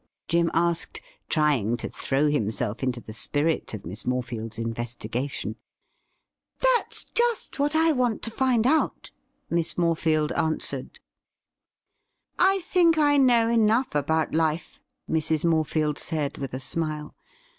Jim asked, trying to throw himself into the spirit of Miss Morefield's investigation. ' That's just what I want to find out/ Miss Morefi^eld answered. ' I think I know enough about life,' Mrs. Morefield said with a smile.